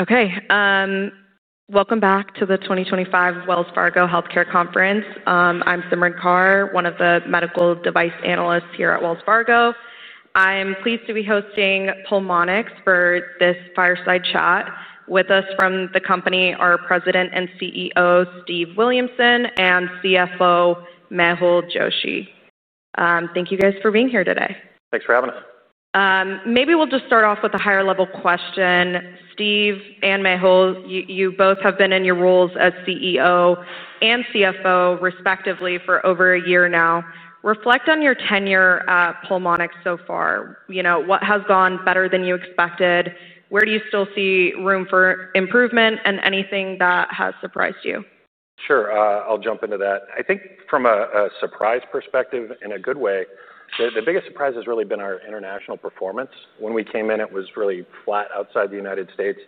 Okay, welcome back to the 2025 Wells Fargo Healthcare Conference. I'm Simran Kaur, one of the medical device analysts here at Wells Fargo. I'm pleased to be hosting Pulmonx for this fireside chat. With us from the company are President and CEO Steve Williamson and CFO Mehul Joshi. Thank you guys for being here today. Thanks for having us. Maybe we'll just start off with a higher level question. Steve and Mehul, you both have been in your roles as CEO and CFO respectively for over a year now. Reflect on your tenure at Pulmonx so far. What has gone better than you expected? Where do you still see room for improvement, and anything that has surprised you? Sure, I'll jump into that. I think from a surprise perspective in a good way, the biggest surprise has really been our international performance. When we came in, it was really flat outside the United States.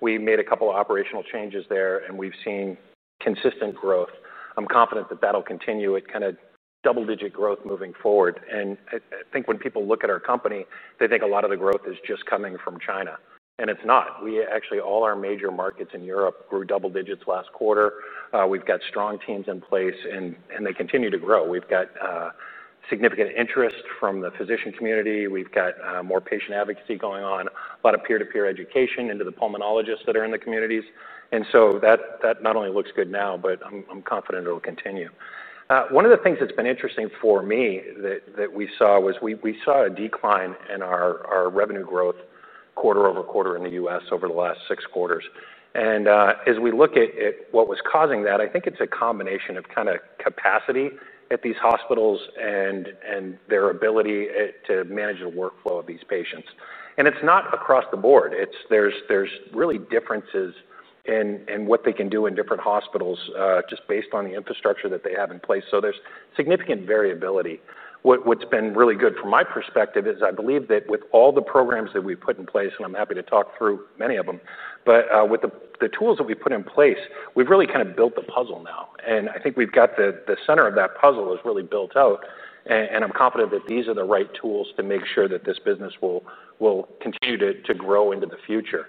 We made a couple of operational changes there, and we've seen consistent growth. I'm confident that that'll continue. It is kind of double-digit growth moving forward. I think when people look at our company, they think a lot of the growth is just coming from China. It's not. Actually, all our major markets in Europe grew double digits last quarter. We've got strong teams in place, and they continue to grow. We've got significant interest from the physician community. We've got more patient advocacy going on, a lot of peer-to-peer education into the pulmonologists that are in the communities. That not only looks good now, but I'm confident it'll continue. One of the things that's been interesting for me that we saw was we saw a decline in our revenue growth quarter- over- quarter in the U.S. over the last six quarters. As we look at what was causing that, I think it's a combination of kind of capacity at these hospitals and their ability to manage the workflow of these patients. It's not across the board. There are really differences in what they can do in different hospitals just based on the infrastructure that they have in place. There's significant variability. What's been really good from my perspective is I believe that with all the programs that we've put in place, and I'm happy to talk through many of them, but with the tools that we put in place, we've really kind of built the puzzle now. I think we've got the center of that puzzle really built out. I'm confident that these are the right tools to make sure that this business will continue to grow into the future.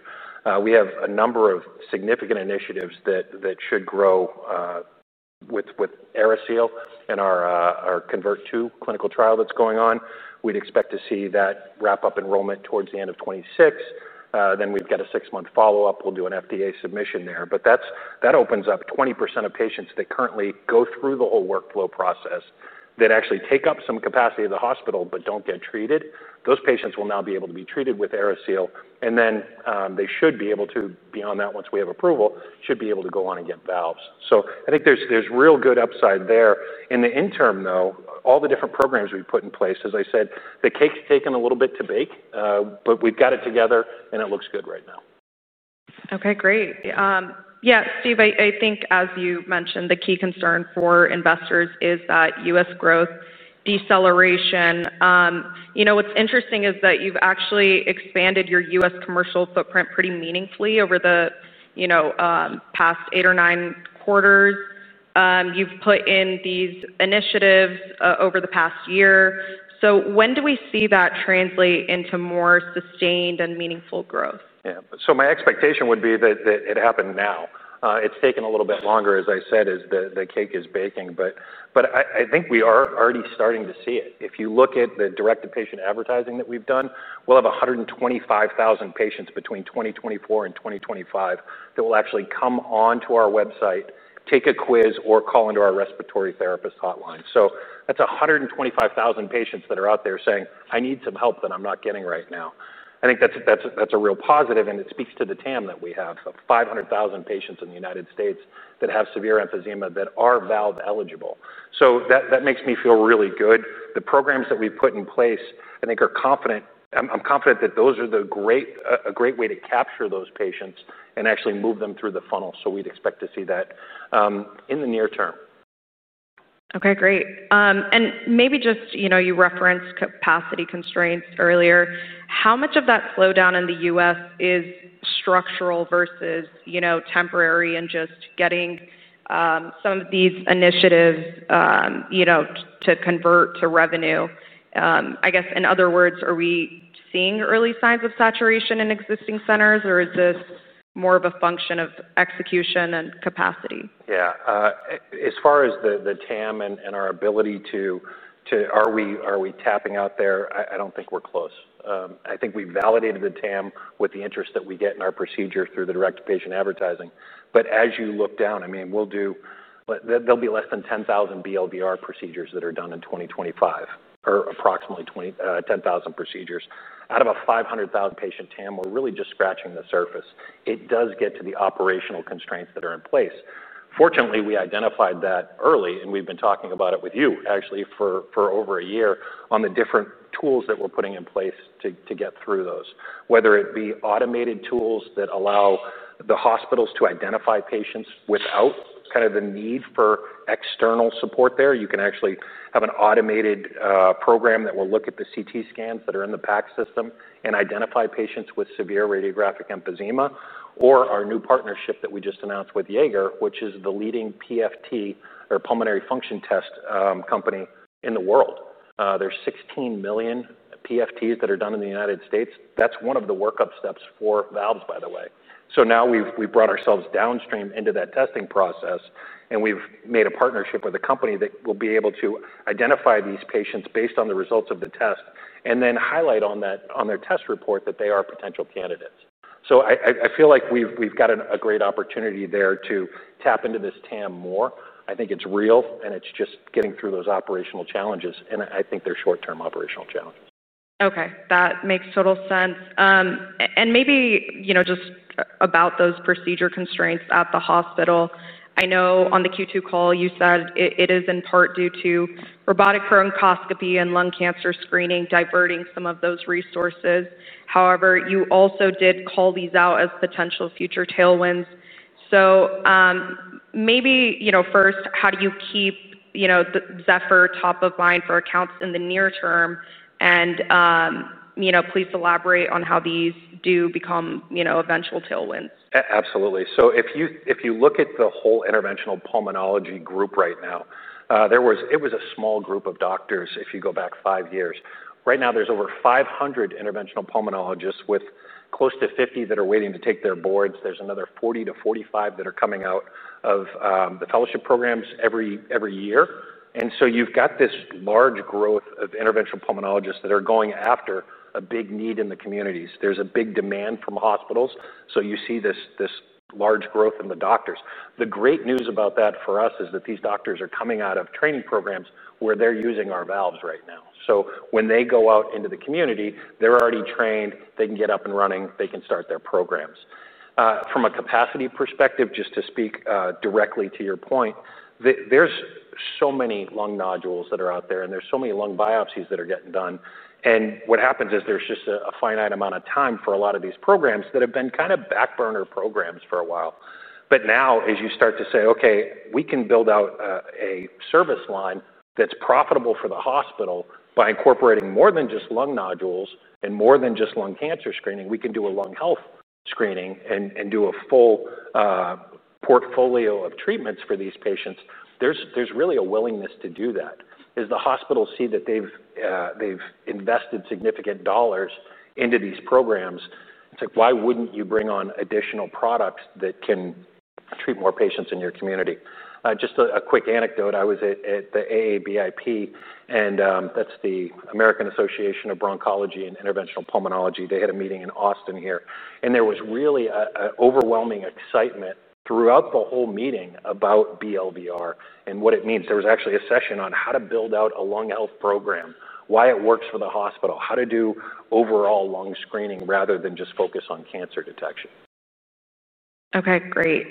We have a number of significant initiatives that should grow with AeriSeal and our CONVERT II clinical trial that's going on. We'd expect to see that wrap up enrollment towards the end of 2026. Then we've got a six-month follow-up. We'll do an FDA submission there. That opens up 20% of patients that currently go through the whole workflow process that actually take up some capacity of the hospital but don't get treated. Those patients will now be able to be treated with AeriSeal. They should be able to be on that once we have approval, should be able to go on and get valves. I think there's real good upside there. In the interim, all the different programs we've put in place, as I said, the cake's taken a little bit to bake, but we've got it together and it looks good right now. Okay, great. Yeah, Steve, I think as you mentioned, the key concern for investors is that U.S. growth deceleration. What's interesting is that you've actually expanded your U.S. commercial footprint pretty meaningfully over the past eight or nine quarters. You've put in these initiatives over the past year. When do we see that translate into more sustained and meaningful growth? Yeah, so my expectation would be that it happened now. It's taken a little bit longer, as I said, as the cake is baking, but I think we are already starting to see it. If you look at the direct-to-patient advertising that we've done, we'll have 125,000 patients between 2024 and 2025 that will actually come on to our website, take a quiz, or call into our respiratory therapist hotline. That's 125,000 patients that are out there saying, "I need some help that I'm not getting right now." I think that's a real positive, and it speaks to the TAM that we have of 500,000 patients in the United States that have severe emphysema that are valve eligible. That makes me feel really good. The programs that we've put in place, I think are confident. I'm confident that those are a great way to capture those patients and actually move them through the funnel. We'd expect to see that in the near term. Okay, great. Maybe just, you know, you referenced capacity constraints earlier. How much of that slowdown in the U.S. is structural versus temporary and just getting some of these initiatives to convert to revenue? I guess, in other words, are we seeing early signs of saturation in existing centers, or is this more of a function of execution and capacity? Yeah, as far as the TAM and our ability to, are we tapping out there? I don't think we're close. I think we've validated the TAM with the interest that we get in our procedure through the direct-to-patient advertising. As you look down, I mean, we'll do, there'll be less than 10,000 BLVR procedures that are done in 2025, or approximately 10,000 procedures. Out of a 500,000 patient TAM, we're really just scratching the surface. It does get to the operational constraints that are in place. Fortunately, we identified that early, and we've been talking about it with you, actually, for over a year on the different tools that we're putting in place to get through those. Whether it be automated tools that allow the hospitals to identify patients without kind of the need for external support there. You can actually have an automated program that will look at the CT scans that are in the PACS system and identify patients with severe radiographic emphysema. Our new partnership that we just announced with Jaeger, which is the leading PFT or pulmonary function test company in the world. There are 16 million PFTs that are done in the United States. That's one of the workup steps for valves, by the way. Now we've brought ourselves downstream into that testing process, and we've made a partnership with a company that will be able to identify these patients based on the results of the test and then highlight on their test report that they are potential candidates. I feel like we've got a great opportunity there to tap into this TAM more. I think it's real, and it's just getting through those operational challenges, and I think they're short-term operational challenges. Okay, that makes total sense. Maybe just about those procedure constraints at the hospital. I know on the Q2 call, you said it is in part due to robotic bronchoscopy and lung cancer screening diverting some of those resources. However, you also did call these out as potential future tailwinds. First, how do you keep the Zephyr top of mind for accounts in the near term? Please elaborate on how these do become eventual tailwinds. Absolutely. If you look at the whole interventional pulmonology group right now, it was a small group of doctors if you go back five years. Right now, there's over 500 interventional pulmonologists with close to 50 that are waiting to take their boards. There's another 40- 45 that are coming out of the fellowship programs every year. You have this large growth of interventional pulmonologists that are going after a big need in the communities. There's a big demand from hospitals. You see this large growth in the doctors. The great news about that for us is that these doctors are coming out of training programs where they're using our valves right now. When they go out into the community, they're already trained. They can get up and running. They can start their programs. From a capacity perspective, just to speak directly to your point, there are so many lung nodules that are out there, and there are so many lung biopsies that are getting done. What happens is there's just a finite amount of time for a lot of these programs that have been kind of backburner programs for a while. As you start to say, okay, we can build out a service line that's profitable for the hospital by incorporating more than just lung nodules and more than just lung cancer screening, we can do a lung health screening and do a full portfolio of treatments for these patients. There's really a willingness to do that. As the hospitals see that they've invested significant dollars into these programs, it's like, why wouldn't you bring on additional products that can treat more patients in your community? Just a quick anecdote, I was at the AABIP, and that's the American Association of Bronchology and Interventional Pulmonology. They had a meeting in Austin here, and there was really an overwhelming excitement throughout the whole meeting about BLVR and what it means. There was actually a session on how to build out a lung health program, why it works for the hospital, how to do overall lung screening rather than just focus on cancer detection. Okay, great.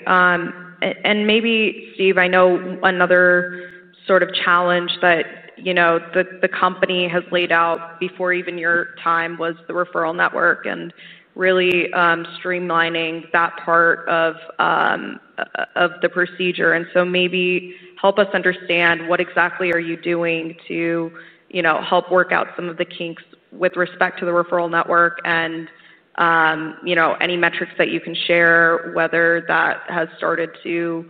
Steve, I know another sort of challenge that the company has laid out before even your time was the referral network and really streamlining that part of the procedure. Maybe help us understand what exactly are you doing to help work out some of the kinks with respect to the referral network and any metrics that you can share, whether that has started to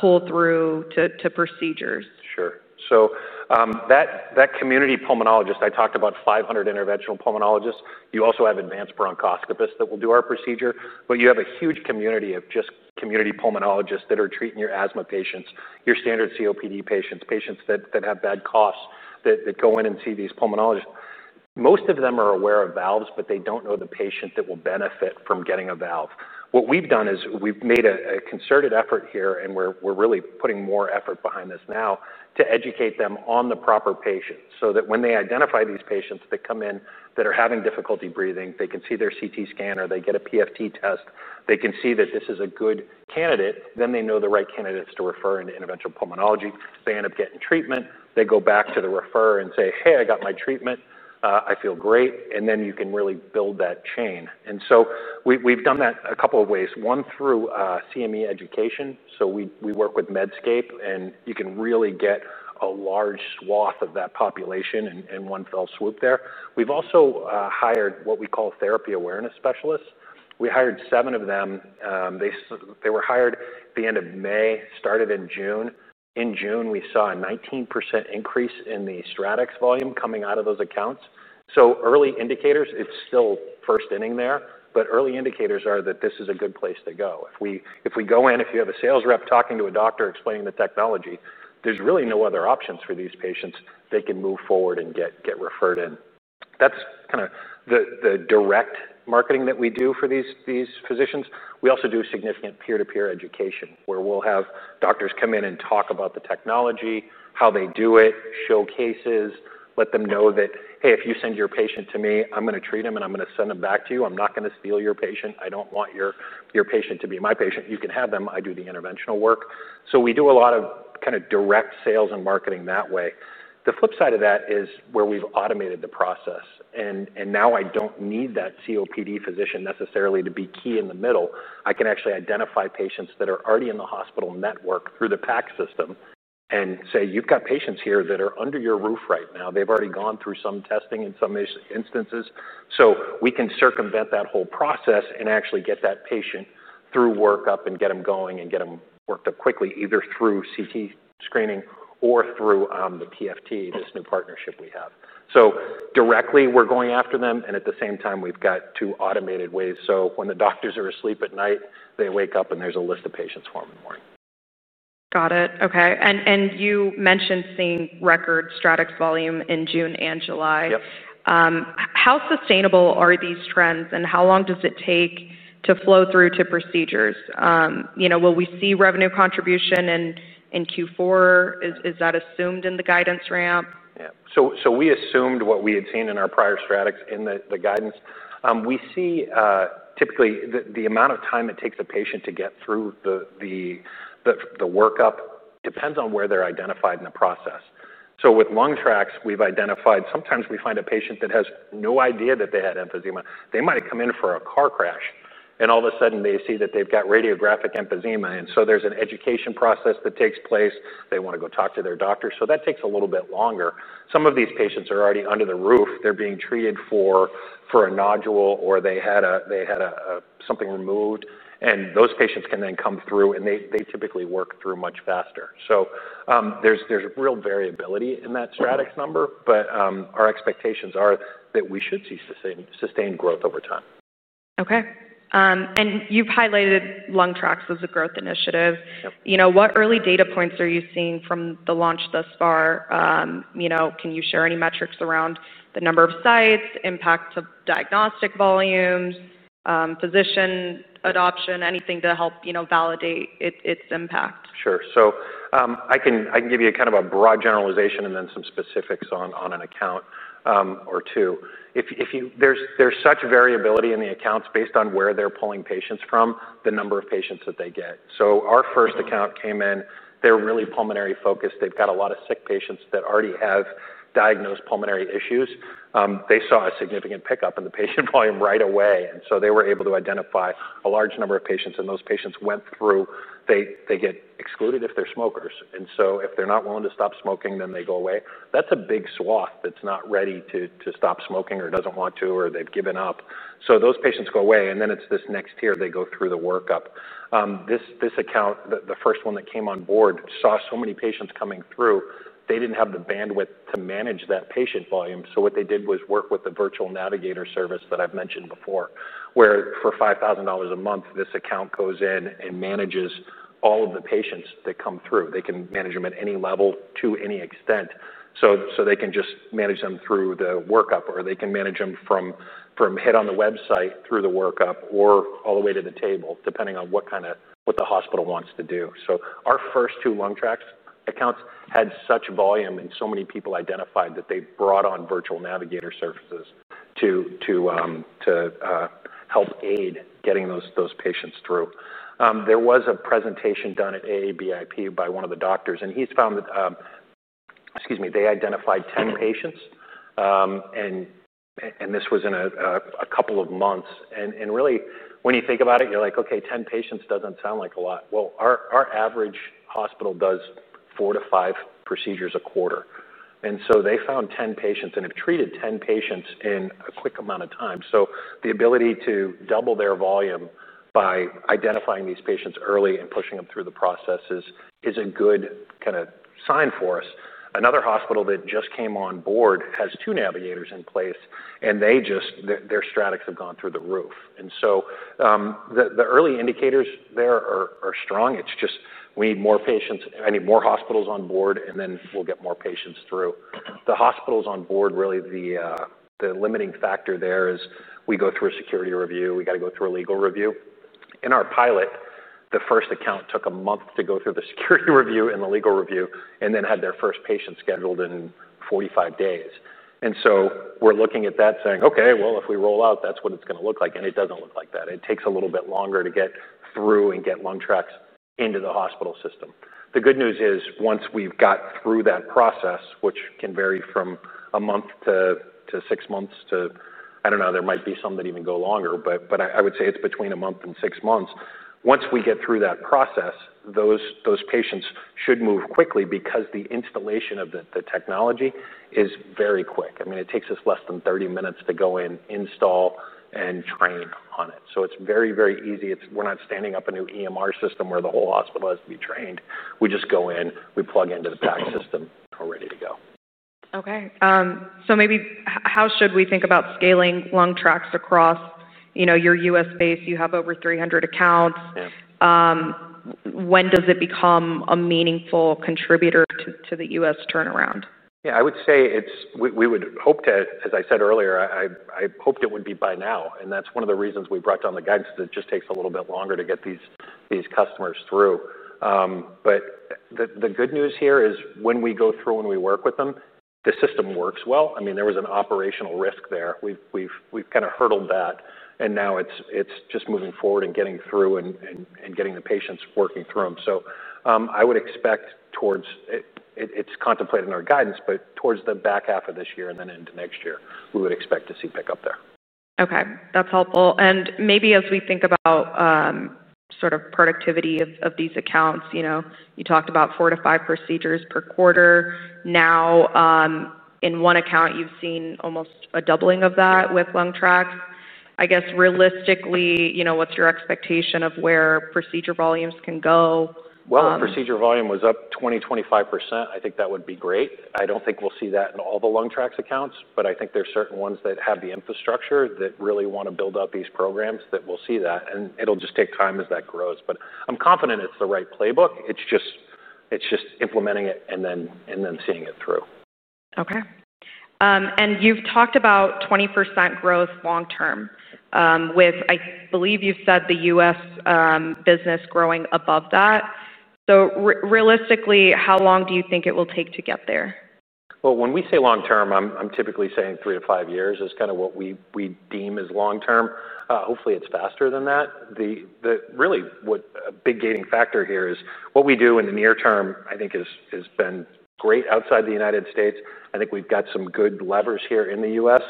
pull through to procedures. Sure. That community pulmonologist, I talked about 500 interventional pulmonologists. You also have advanced bronchoscopists that will do our procedure, but you have a huge community of just community pulmonologists that are treating your asthma patients, your standard COPD patients, patients that have bad coughs that go in and see these pulmonologists. Most of them are aware of valves, but they don't know the patient that will benefit from getting a valve. What we've done is we've made a concerted effort here, and we're really putting more effort behind this now to educate them on the proper patients so that when they identify these patients that come in that are having difficulty breathing, they can see their CT scan or they get a PFT test. They can see that this is a good candidate. They know the right candidates to refer into interventional pulmonology. They end up getting treatment. They go back to the referrer and say, "Hey, I got my treatment. I feel great." You can really build that chain. We've done that a couple of ways. One through CME education. We work with Medscape, and you can really get a large swath of that population in one fell swoop there. We've also hired what we call therapy awareness specialists. We hired seven of them. They were hired at the end of May, started in June. In June, we saw a 19% increase in the StratX volume coming out of those accounts. Early indicators, it's still first inning there, but early indicators are that this is a good place to go. If we go in, if you have a sales rep talking to a doctor explaining the technology, there's really no other options for these patients that can move forward and get referred in. That's kind of the direct marketing that we do for these physicians. We also do significant peer-to-peer education where we'll have doctors come in and talk about the technology, how they do it, showcases, let them know that, "Hey, if you send your patient to me, I'm going to treat him and I'm going to send him back to you. I'm not going to steal your patient. I don't want your patient to be my patient. You can have them. I do the interventional work." We do a lot of kind of direct sales and marketing that way. The flip side of that is where we've automated the process. Now I don't need that COPD physician necessarily to be key in the middle. I can actually identify patients that are already in the hospital network through the PAC system and say, "You've got patients here that are under your roof right now. They've already gone through some testing in some instances." We can circumvent that whole process and actually get that patient through workup and get them going and get them worked up quickly, either through CT screening or through the PFT, this new partnership we have. Directly, we're going after them. At the same time, we've got two automated ways. When the doctors are asleep at night, they wake up and there's a list of patients for them in the morning. Got it. Okay. You mentioned seeing record StratX volume in June and July. How sustainable are these trends, and how long does it take to flow through to procedures? You know, will we see revenue contribution in Q4, is that assumed in the guidance ramp? Yeah. We assumed what we had seen in our prior StratX in the guidance. We see typically the amount of time it takes a patient to get through the workup depends on where they're identified in the process. With LungTraX, we've identified sometimes we find a patient that has no idea that they had emphysema. They might have come in for a car crash and all of a sudden they see that they've got radiographic emphysema. There's an education process that takes place. They want to go talk to their doctor, so that takes a little bit longer. Some of these patients are already under the roof. They're being treated for a nodule or they had something removed, and those patients can then come through and they typically work through much faster. There's real variability in that StratX number, but our expectations are that we should see sustained growth over time. Okay. You've highlighted LungTraX as a growth initiative. What early data points are you seeing from the launch thus far? Can you share any metrics around the number of sites, the impact of diagnostic volumes, physician adoption, anything to help validate its impact? Sure. I can give you kind of a broad generalization and then some specifics on an account or two. There's such variability in the accounts based on where they're pulling patients from, the number of patients that they get. Our first account came in, they're really pulmonary focused. They've got a lot of sick patients that already have diagnosed pulmonary issues. They saw a significant pickup in the patient volume right away. They were able to identify a large number of patients, and those patients went through. They get excluded if they're smokers. If they're not willing to stop smoking, then they go away. That's a big swath that's not ready to stop smoking or doesn't want to, or they've given up. Those patients go away, and then it's this next tier they go through the workup. This account, the first one that came on board, saw so many patients coming through. They didn't have the bandwidth to manage that patient volume. What they did was work with the virtual navigator service that I've mentioned before, where for $5,000 a month, this account goes in and manages all of the patients that come through. They can manage them at any level to any extent. They can just manage them through the workup, or they can manage them from hit on the website through the workup or all the way to the table, depending on what the hospital wants to do. Our first two LungTraX accounts had such volume and so many people identified that they brought on virtual navigator services to help aid getting those patients through. There was a presentation done at AABIP by one of the doctors, and he's found that they identified 10 patients. This was in a couple of months. When you think about it, you're like, okay, 10 patients doesn't sound like a lot. Our average hospital does four to five procedures a quarter. They found 10 patients and have treated 10 patients in a quick amount of time. The ability to double their volume by identifying these patients early and pushing them through the process is a good kind of sign for us. Another hospital that just came on board has two navigators in place, and their StratX have gone through the roof. The early indicators there are strong. It's just we need more patients, I need more hospitals on board, and then we'll get more patients through. The hospitals on board, really the limiting factor there is we go through a security review. We got to go through a legal review. In our pilot, the first account took a month to go through the security review and the legal review and then had their first patient scheduled in 45 days. We're looking at that saying, okay, if we roll out, that's what it's going to look like. It doesn't look like that. It takes a little bit longer to get through and get LungTraX into the hospital system. The good news is once we've got through that process, which can vary from a month to six months to, I don't know, there might be some that even go longer, but I would say it's between a month and six months. Once we get through that process, those patients should move quickly because the installation of the technology is very quick. It takes us less than 30 minutes to go in, install, and train on it. It's very, very easy. We're not standing up a new EMR system where the whole hospital has to be trained. We just go in, we plug into the PAC system, we're ready to go. Okay. Maybe how should we think about scaling LungTraX across your U.S. base? You have over 300 accounts. When does it become a meaningful contributor to the U.S. turnaround? Yeah, I would say it's, we would hope to, as I said earlier, I hoped it would be by now. That's one of the reasons we brought down the guidance, it just takes a little bit longer to get these customers through. The good news here is when we go through and we work with them, the system works well. I mean, there was an operational risk there. We've kind of hurdled that. Now it's just moving forward and getting through and getting the patients working through them. I would expect towards, it's contemplated in our guidance, but towards the back half of this year and then into next year, we would expect to see pickup there. Okay. That's helpful. Maybe as we think about sort of productivity of these accounts, you talked about four to five procedures per quarter. Now, in one account, you've seen almost a doubling of that with LungTraX. I guess realistically, what's your expectation of where procedure volumes can go? Procedure volume was up 20%, 25%. I think that would be great. I don't think we'll see that in all the LungTraX accounts, but I think there's certain ones that have the infrastructure that really want to build out these programs that we'll see that. It'll just take time as that grows. I'm confident it's the right playbook. It's just implementing it and then seeing it through. Okay. You've talked about 20% growth long term, with, I believe you've said the U.S. business growing above that. Realistically, how long do you think it will take to get there? When we say long term, I'm typically saying three to five years is kind of what we deem as long term. Hopefully, it's faster than that. The really big gating factor here is what we do in the near term. I think has been great outside the U.S. I think we've got some good levers here in the U.S.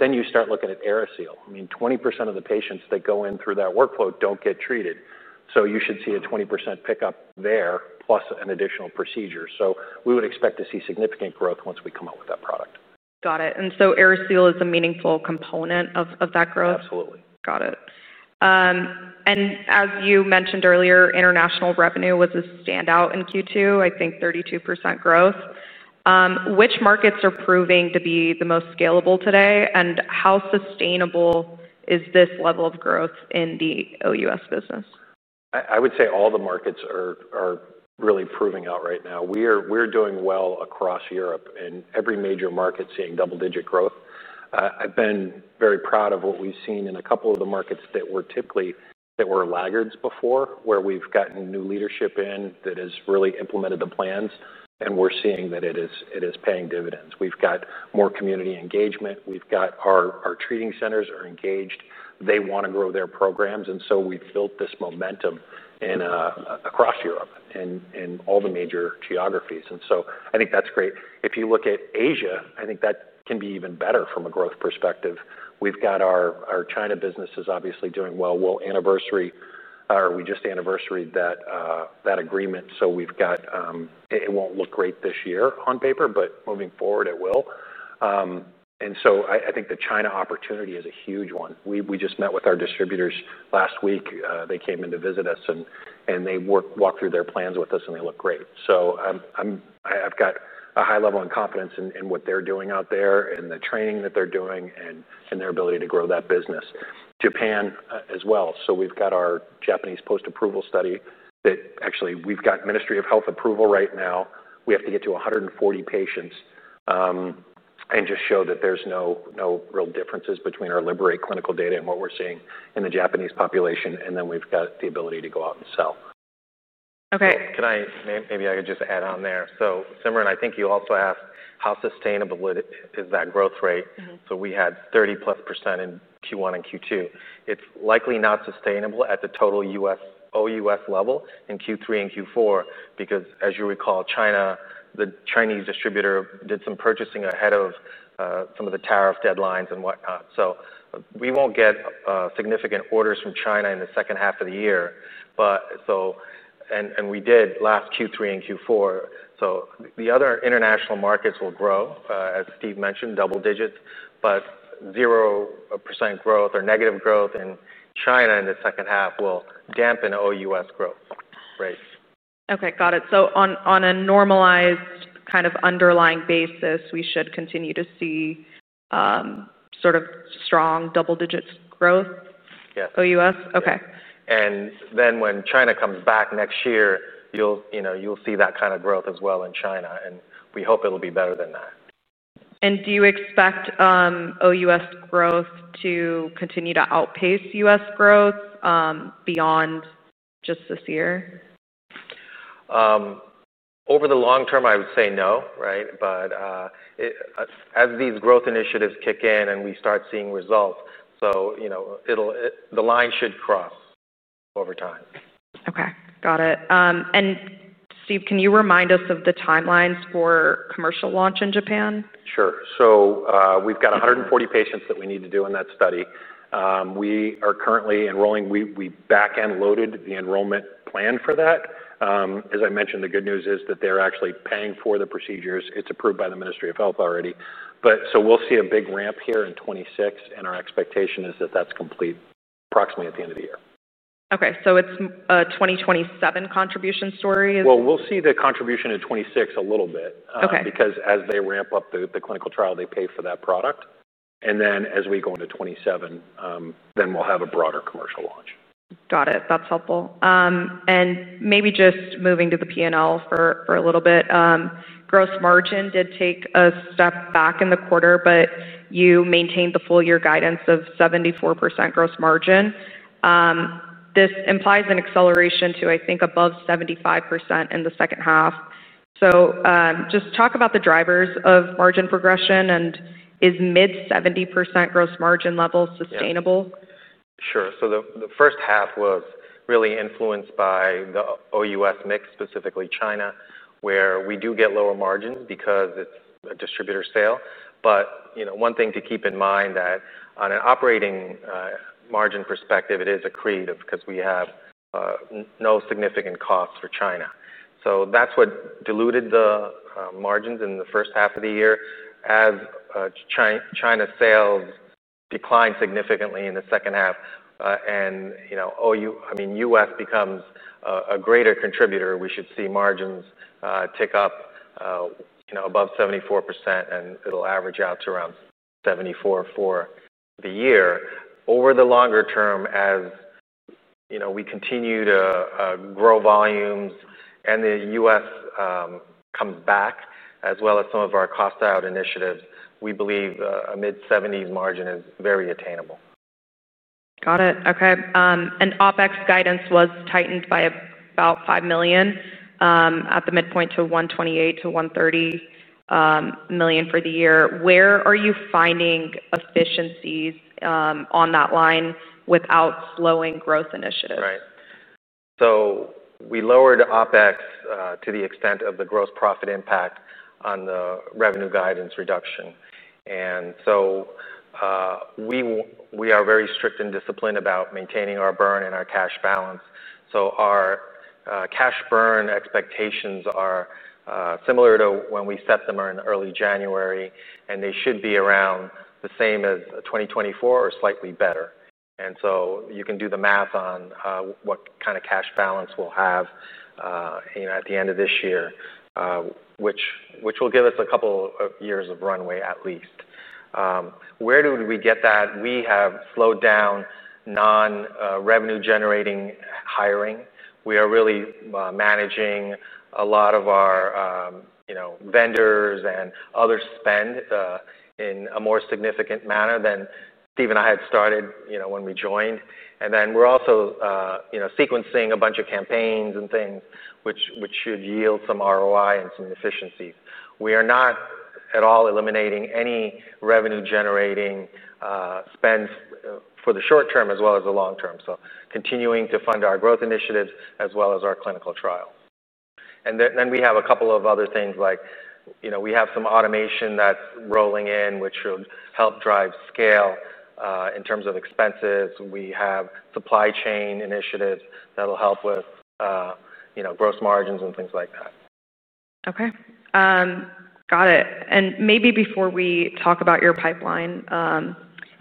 You start looking at AeriSeal. I mean, 20% of the patients that go in through that workflow don't get treated. You should see a 20% pickup there plus an additional procedure. We would expect to see significant growth once we come up with that product. Got it. Is AeriSeal a meaningful component of that growth? Absolutely. Got it. As you mentioned earlier, international revenue was a standout in Q2, I think 32% growth. Which markets are proving to be the most scalable today? How sustainable is this level of growth in the U.S. business? I would say all the markets are really proving out right now. We're doing well across Europe in every major market, seeing double-digit growth. I've been very proud of what we've seen in a couple of the markets that were typically laggards before, where we've gotten new leadership in that has really implemented the plans. We're seeing that it is paying dividends. We've got more community engagement. We've got our treating centers engaged. They want to grow their programs, and we've built this momentum across Europe and in all the major geographies. I think that's great. If you look at Asia, I think that can be even better from a growth perspective. We've got our China business is obviously doing well. We'll anniversary, or we just anniversary that agreement. It won't look great this year on paper, but moving forward, it will. I think the China opportunity is a huge one. We just met with our distributors last week. They came in to visit us, and they walked through their plans with us, and they look great. I've got a high level of confidence in what they're doing out there and the training that they're doing and their ability to grow that business. Japan as well. We've got our Japanese post-approval study that actually we've got Ministry of Health approval right now. We have to get to 140 patients and just show that there's no real differences between our LIBERATE clinical data and what we're seeing in the Japanese population. We've got the ability to go out and sell. Okay. Maybe I could just add on there. Simran, I think you also asked how sustainable is that growth rate. We had 30+% in Q1 and Q2. It's likely not sustainable at the total O.U.S. level in Q3 and Q4 because, as you recall, China, the Chinese distributor did some purchasing ahead of some of the tariff deadlines and whatnot. We won't get significant orders from China in the second half of the year. We did last Q3 and Q4. The other international markets will grow, as Steve mentioned, double digits, but 0% growth or negative growth in China in the second half will dampen O.U.S. growth rates. Okay, got it. On a normalized kind of underlying basis, we should continue to see sort of strong double digits growth? Yes. O.U.S. Okay. When China comes back next year, you'll see that kind of growth as well in China. We hope it'll be better than that. Do you expect O.U.S. growth to continue to outpace U.S. growth beyond just this year? Over the long term, I would say no, right? As these growth initiatives kick in and we start seeing results, the line should cross over time. Okay, got it. Steve, can you remind us of the timelines for commercial launch in Japan? Sure. We've got 140 patients that we need to do in that study. We are currently enrolling. We back-end loaded the enrollment plan for that. As I mentioned, the good news is that they're actually paying for the procedures. It's approved by the Ministry of Health already. We'll see a big ramp here in 2026, and our expectation is that that's complete approximately at the end of the year. Okay, so it's a 2027 contribution story? We'll see the contribution at 2026 a little bit. Okay. Because as they ramp up the clinical trial, they pay for that product, and as we go into 2027, we'll have a broader commercial launch. Got it. That's helpful. Maybe just moving to the P&L for a little bit. Gross margin did take a step back in the quarter, but you maintained the full year guidance of 74% gross margin. This implies an acceleration to, I think, above 75% in the second half. Just talk about the drivers of margin progression and is mid-70% gross margin level sustainable? Sure. The first half was really influenced by the O.U.S. mix, specifically China, where we do get lower margins because it's a distributor sale. One thing to keep in mind is that on an operating margin perspective, it is accretive because we have no significant costs for China. That's what diluted the margins in the first half of the year. As China's sales decline significantly in the second half, and the U.S. becomes a greater contributor, we should see margins tick up above 74% and it'll average out to around 74% for the year. Over the longer term, as we continue to grow volumes and the U.S. comes back, as well as some of our cost-out initiatives, we believe a mid-70s margin is very attainable. Got it. Okay. OpEx guidance was tightened by about $5 million at the midpoint to $128 million - $130 million for the year. Where are you finding efficiencies on that line without slowing growth initiatives? Right. We lowered OpEx to the extent of the gross profit impact on the revenue guidance reduction. We are very strict and disciplined about maintaining our burn and our cash balance. Our cash burn expectations are similar to when we set them in early January, and they should be around the same as 2024 or slightly better. You can do the math on what kind of cash balance we'll have at the end of this year, which will give us a couple of years of runway at least. Where do we get that? We have slowed down non-revenue generating hiring. We are really managing a lot of our vendors and other spend in a more significant manner than Steve and I had started when we joined. We're also sequencing a bunch of campaigns and things which should yield some ROI and some efficiencies. We are not at all eliminating any revenue generating spend for the short term as well as the long term. We are continuing to fund our growth initiatives as well as our clinical trials. We have a couple of other things like we have some automation that's rolling in, which will help drive scale in terms of expenses. We have supply chain initiatives that'll help with gross margins and things like that. Okay. Got it. Maybe before we talk about your pipeline,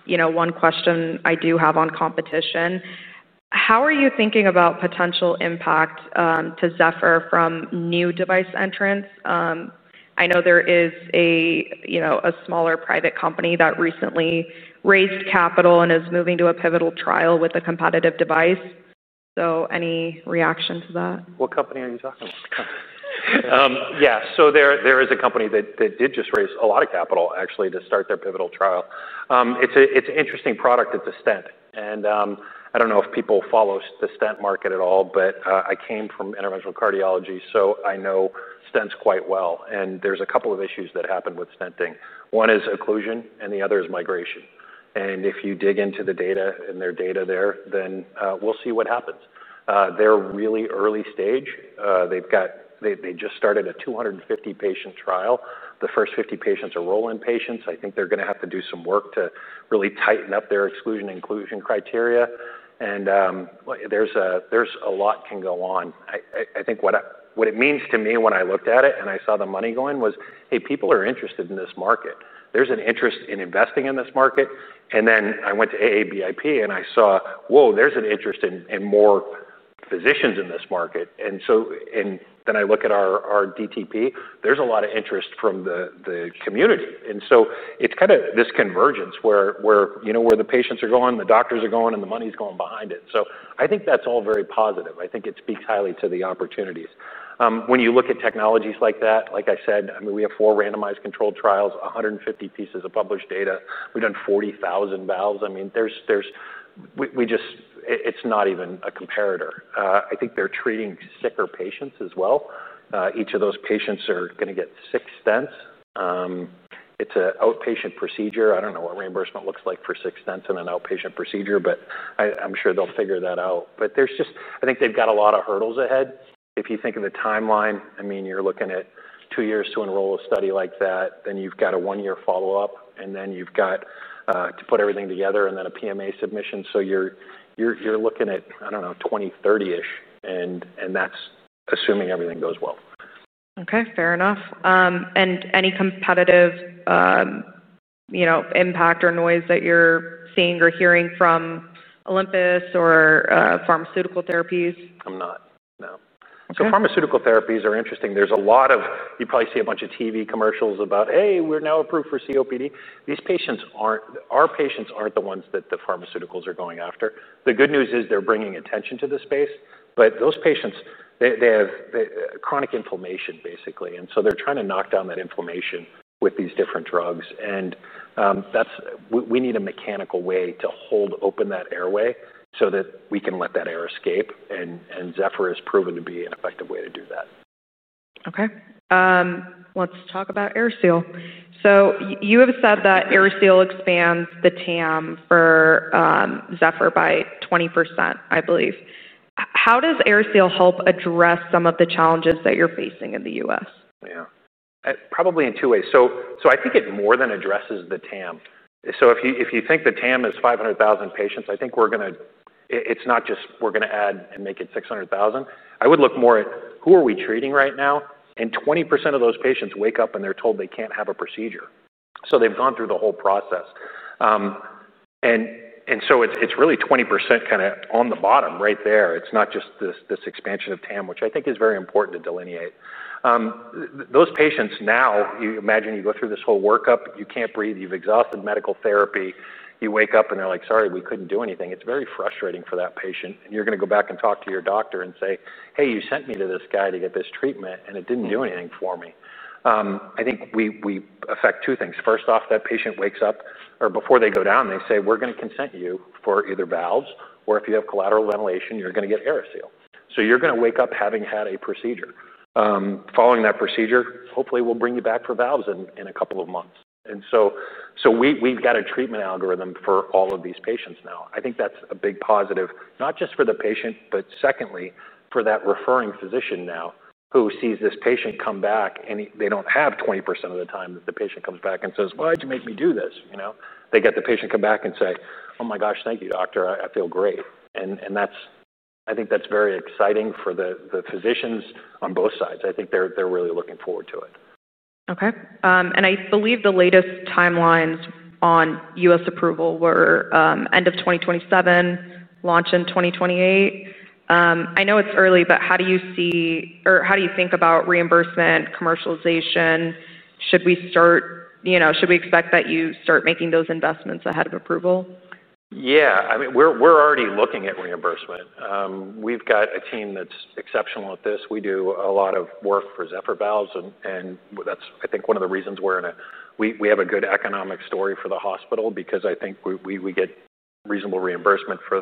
one question I do have on competition. How are you thinking about potential impact to Zephyr from new device entrants? I know there is a smaller private company that recently raised capital and is moving to a pivotal trial with a competitive device. Any reaction to that? What company are you talking about? Yeah, so there is a company that did just raise a lot of capital, actually, to start their pivotal trial. It's an interesting product. It's a stent. I don't know if people follow the stent market at all, but I came from interventional cardiology, so I know stents quite well. There are a couple of issues that happen with stenting. One is occlusion, and the other is migration. If you dig into the data and their data there, then we'll see what happens. They're really early stage. They just started a 250-patient trial. The first 50 patients are roll-in patients. I think they're going to have to do some work to really tighten up their exclusion and inclusion criteria. There's a lot that can go on. What it means to me when I looked at it and I saw the money going was, hey, people are interested in this market. There's an interest in investing in this market. I went to AABIP and I saw, whoa, there's an interest in more physicians in this market. I look at our DTP. There's a lot of interest from the community. It's kind of this convergence where, you know, where the patients are going, the doctors are going, and the money's going behind it. I think that's all very positive. I think it speaks highly to the opportunities. When you look at technologies like that, like I said, we have four randomized controlled trials, 150 pieces of published data. We've done 40,000 valves. It's not even a comparator. I think they're treating sicker patients as well. Each of those patients are going to get six stents. It's an outpatient procedure. I don't know what reimbursement looks like for six stents in an outpatient procedure, but I'm sure they'll figure that out. I think they've got a lot of hurdles ahead. If you think of the timeline, you're looking at two years to enroll a study like that. Then you've got a one-year follow-up, and then you've got to put everything together and then a PMA submission. You're looking at, I don't know, 2030-ish, and that's assuming everything goes well. Okay, fair enough. Any competitive impact or noise that you're seeing or hearing from Olympus or pharmaceutical therapies? I'm not, no. Pharmaceutical therapies are interesting. There's a lot of, you probably see a bunch of TV commercials about, hey, we're now approved for COPD. These patients aren't, our patients aren't the ones that the pharmaceuticals are going after. The good news is they're bringing attention to the space, but those patients, they have chronic inflammation, basically. They're trying to knock down that inflammation with these different drugs. We need a mechanical way to hold open that airway so that we can let that air escape. Zephyr is proven to be an effective way to do that. Okay. Let's talk about AeriSeal. You have said that AeriSeal expands the TAM for Zephyr by 20%, I believe. How does AeriSeal help address some of the challenges that you're facing in the U.S.? Yeah, probably in two ways. I think it more than addresses the TAM. If you think the TAM is 500,000 patients, I think we're going to, it's not just we're going to add and make it 600,000. I would look more at who are we treating right now. 20% of those patients wake up and they're told they can't have a procedure. They've gone through the whole process. It's really 20% kind of on the bottom right there. It's not just this expansion of TAM, which I think is very important to delineate. Those patients now, you imagine you go through this whole workup, you can't breathe, you've exhausted medical therapy, you wake up and they're like, sorry, we couldn't do anything. It's very frustrating for that patient. You're going to go back and talk to your doctor and say, hey, you sent me to this guy to get this treatment and it didn't do anything for me. I think we affect two things. First off, that patient wakes up, or before they go down, they say, we're going to consent you for either valves or if you have collateral ventilation, you're going to get AeriSeal. You're going to wake up having had a procedure. Following that procedure, hopefully we'll bring you back for valves in a couple of months. We've got a treatment algorithm for all of these patients now. I think that's a big positive, not just for the patient, but secondly, for that referring physician now who sees this patient come back and they don't have 20% of the time that the patient comes back and says, why did you make me do this? They get the patient come back and say, oh my gosh, thank you, doctor, I feel great. I think that's very exciting for the physicians on both sides. I think they're really looking forward to it. Okay. I believe the latest timelines on U.S. approval were end of 2027, launch in 2028. I know it's early, but how do you see, or how do you think about reimbursement, commercialization? Should we expect that you start making those investments ahead of approval? Yeah, I mean, we're already looking at reimbursement. We've got a team that's exceptional at this. We do a lot of work for Zephyr Valves, and that's, I think, one of the reasons we're in a, we have a good economic story for the hospital because I think we get reasonable reimbursement for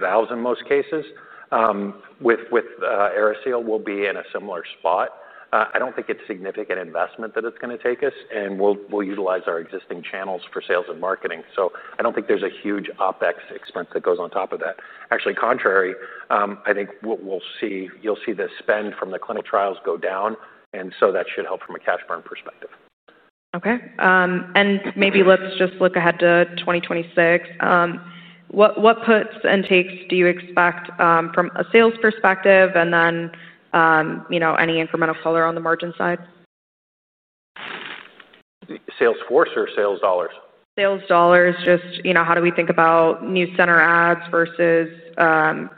valves in most cases. With AeriSeal, we'll be in a similar spot. I don't think it's significant investment that it's going to take us, and we'll utilize our existing channels for sales and marketing. I don't think there's a huge OpEx expense that goes on top of that. Actually, contrary, I think you'll see the spend from the clinical trials go down, and that should help from a cash burn perspective. Okay. Maybe let's just look ahead to 2026. What puts and takes do you expect from a sales perspective, and then, you know, any incremental color on the margin sides? Sales force or sales dollars? Sales dollars, how do we think about new center adds versus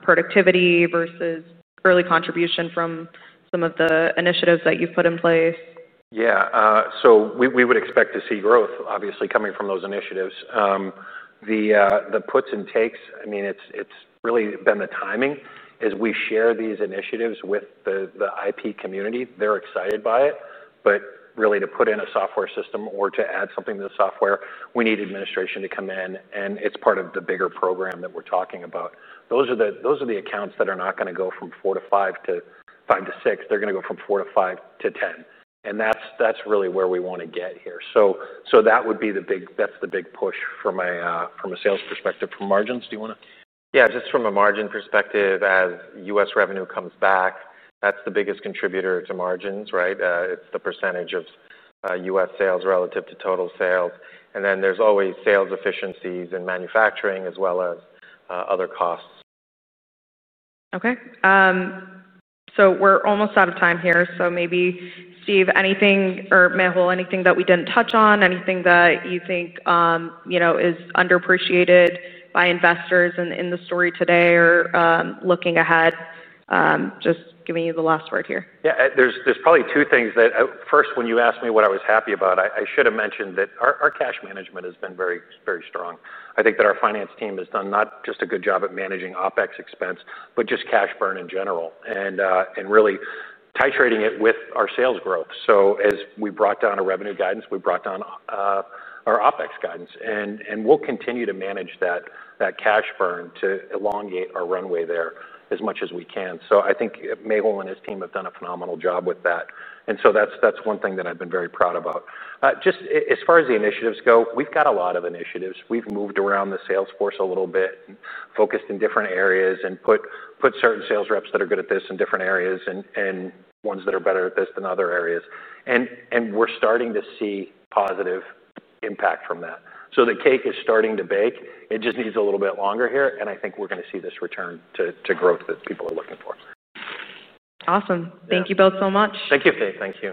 productivity versus early contribution from some of the initiatives that you've put in place? Yeah, we would expect to see growth, obviously, coming from those initiatives. The puts and takes, it's really been the timing. As we share these initiatives with the IP community, they're excited by it. To put in a software system or to add something to the software, we need administration to come in, and it's part of the bigger program that we're talking about. Those are the accounts that are not going to go from four to five to five to six. They're going to go from four to five to 10. That's really where we want to get here. That would be the big, that's the big push from a sales perspective. From margins, do you want to? Yeah, just from a margin perspective, as U.S. revenue comes back, that's the biggest contributor to margins, right? It's the % of U.S. sales relative to total sales, and there's always sales efficiencies in manufacturing as well as other costs. Okay. We're almost out of time here. Maybe, Steve, or Mehul, is there anything that we didn't touch on? Anything that you think is underappreciated by investors in the story today or looking ahead? Just giving you the last word here. Yeah, there's probably two things that, first, when you asked me what I was happy about, I should have mentioned that our cash management has been very, very strong. I think that our finance team has done not just a good job at managing OpEx expense, but just cash burn in general. Really titrating it with our sales growth. As we brought down our revenue guidance, we brought down our OpEx guidance. We'll continue to manage that cash burn to elongate our runway there as much as we can. I think Mehul and his team have done a phenomenal job with that. That's one thing that I've been very proud about. As far as the initiatives go, we've got a lot of initiatives. We've moved around the sales force a little bit, focused in different areas, and put certain sales reps that are good at this in different areas and ones that are better at this in other areas. We're starting to see positive impact from that. The cake is starting to bake. It just needs a little bit longer here. I think we're going to see this return to growth that people are looking for. Awesome. Thank you both so much. Thank you, Sim. Thank you.